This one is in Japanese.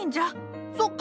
そっか！